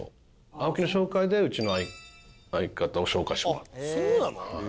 青木の紹介でうちの相方を紹介してもらった。